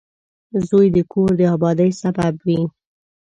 • زوی د کور د آبادۍ سبب وي.